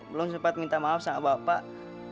belum sempat minta maaf sama bapak